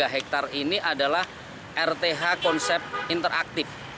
tiga hektare ini adalah rth konsep interaktif